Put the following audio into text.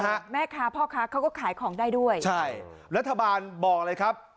ฮะแม่ค้าพ่อค้าเขาก็ขายของได้ด้วยใช่รัฐบาลบอกเลยครับ